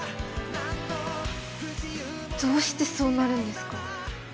どうしてそうなるんですか？